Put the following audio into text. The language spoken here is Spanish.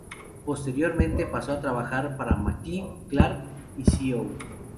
Posteriormente pasó a trabajar en McKee, Clark y Co.